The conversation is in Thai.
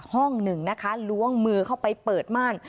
ห้องหนึ่งนะคะล้วงมือเข้าไปเปิดม่าน